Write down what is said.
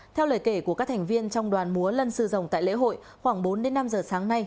theo lời kể của các thành viên trong đoàn múa lân sử dụng tại lễ hội khoảng bốn năm giờ sáng nay